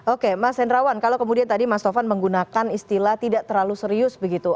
oke mas hendrawan kalau kemudian tadi mas tovan menggunakan istilah tidak terlalu serius begitu